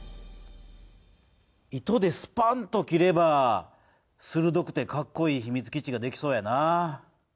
糸でスパンと切ればするどくてかっこいいひみつ基地が出来そうやなぁ。